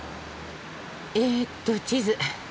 えっと地図。